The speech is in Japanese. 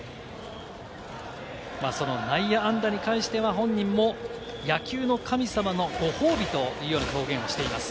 その内野安打に関しては、本人も野球の神様のご褒美というような表現をしています。